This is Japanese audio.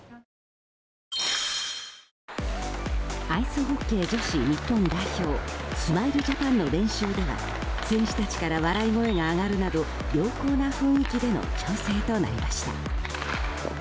アイスホッケー女子日本代表スマイルジャパンの練習では選手たちから笑い声が上がるなど良好な雰囲気での調整となりました。